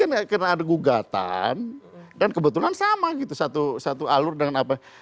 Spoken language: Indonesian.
karena ada gugatan dan kebetulan sama gitu satu alur dengan apa